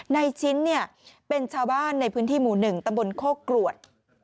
ในชิ้นเป็นชาวบ้านในพื้นที่หมู่๑ตำบลโคกรวด